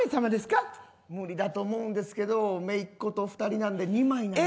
無理だと思うんですけどめいっ子と２人なので２枚。